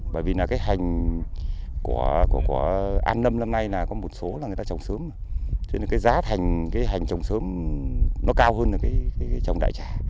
bởi vì hành của an lâm năm nay có một số là người ta trồng sớm cho nên giá hành trồng sớm nó cao hơn là trồng đại trà